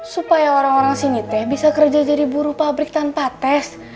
supaya orang orang sini teh bisa kerja jadi buruh pabrik tanpa tes